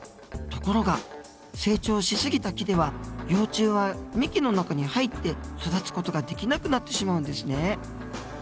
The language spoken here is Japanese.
ところが成長し過ぎた木では幼虫は幹の中に入って育つ事ができなくなってしまうんですね。